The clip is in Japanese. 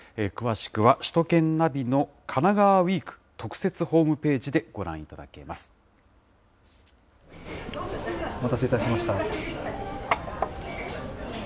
詳しくは首都圏ナビの神奈川ウイーク特設ホームページでご覧いたお待たせいたしました。